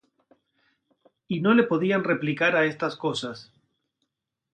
Y no le podían replicar á estas cosas.